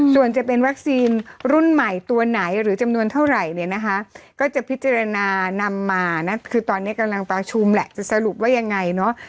ส่วนจะเป็นวัคซีนรุ่นใหม่ตัวไหนหรือจำนวนเท่าไหร่เนี่ยนะคะก็จะพิจารณานำมานะคือตอนนี้กำลังประชุมแหละจะสรุปว่ายังไงเนาะ